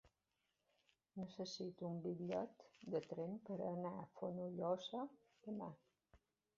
Necessito un bitllet de tren per anar a Fonollosa demà.